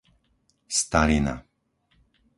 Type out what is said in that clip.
Starina